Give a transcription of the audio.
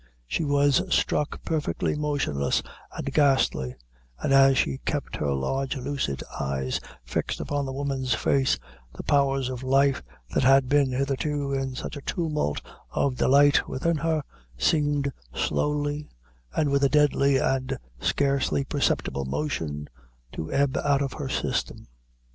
She was struck perfectly motionless and ghastly; and as she kept her large lucid eyes fixed upon the woman's face, the powers of life, that had been hitherto in such a tumult of delight within her, seemed slowly, and with a deadly and scarcely perceptible motion, to ebb out of her system.